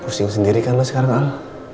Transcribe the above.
pusing sendiri kan lo sekarang al